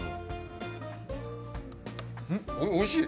ん、おいしい！